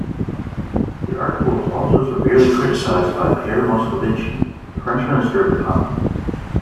The article was also severely criticised by Pierre Moscovici, the French Minister of Economy.